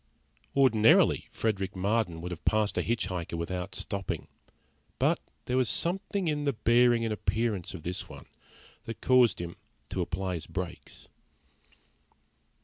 Ordinarily Frederick Marden would have passed a hitch hiker without stopping, but there was something in the bearing and appearance of this one that caused him to apply his brakes.